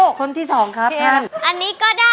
ออกไปทางแขงนิด